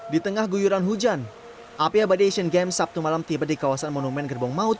di tengah guyuran hujan api abadi asian games sabtu malam tiba di kawasan monumen gerbong maut